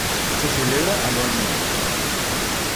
Se celebra anualmente.